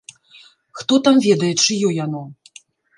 Хто там ведае, чыё яно?